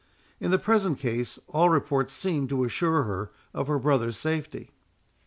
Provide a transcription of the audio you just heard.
In the present case, all reports seemed to assure her of her brother's safety.